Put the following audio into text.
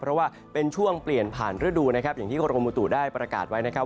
เพราะว่าเป็นช่วงเปลี่ยนผ่านฤดูนะครับอย่างที่กรมบุตุได้ประกาศไว้นะครับ